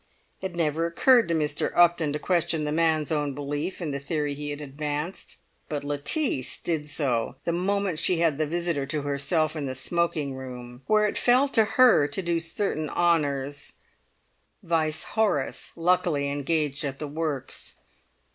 It never occurred to Mr. Upton to question the man's own belief in the theory he had advanced; but Lettice did so the moment she had the visitor to herself in the smoking room, where it fell to her to do certain honours vice Horace, luckily engaged at the works.